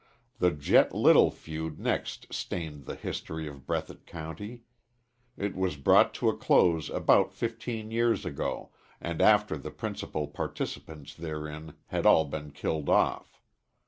The Jett Little feud next stained the history of Breathitt County. It was brought to a close about fifteen years ago, and after the principal participants therein had all been killed off.